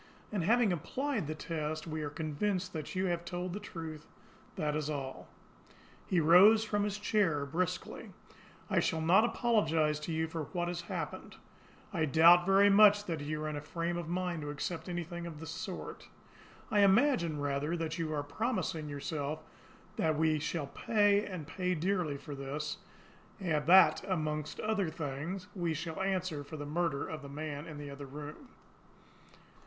And having applied the test, we are convinced that you have told the truth that is all." He rose from his chair brusquely. "I shall not apologise to you for what has happened. I doubt very much if you are in a frame of mind to accept anything of the sort. I imagine, rather, that you are promising yourself that we shall pay, and pay dearly, for this that, among other things, we shall answer for the murder of that man in the other room.